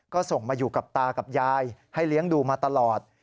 ก็ส่งมาอยู่กับตากับยายให้เลี้ยงดูมาตลอด